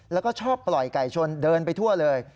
แล้วก็ชอบปล่อยไก่ชนเดินไปทั่วเลย